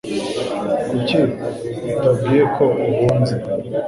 Kuki utabwiye ko uhuze?